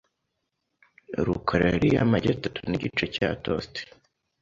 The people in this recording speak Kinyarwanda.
rukara yariye amagi atatu nigice cya toast .